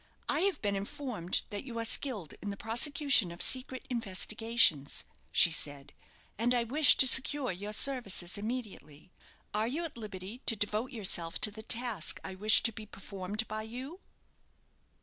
"I have been informed that you are skilled in the prosecution of secret investigations," she said; "and I wish to secure your services immediately. Are you at liberty to devote yourself to the task I wish to be performed by you?"